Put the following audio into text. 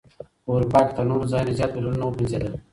په اروپا کي تر نورو ځايونو زيات بدلونونه وپنځېدل.